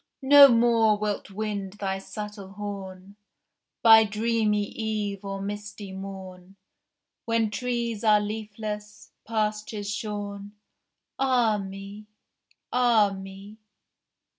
No more wilt wind thy subtle horn By dreamy eve or misty morn, When trees are leafless, pastures shorn. Ah me! ah me!